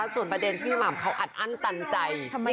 อภิพังพี่หม่ำก็หน่อยนะคะ